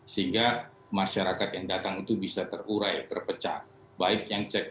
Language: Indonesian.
sehingga masyarakat yang datang itu bisa terurai terpecah